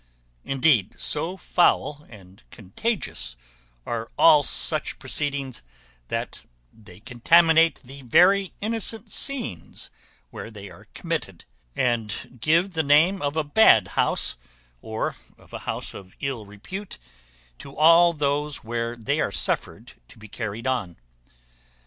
Indeed, so foul and contagious are all such proceedings, that they contaminate the very innocent scenes where they are committed, and give the name of a bad house, or of a house of ill repute, to all those where they are suffered to be carried on.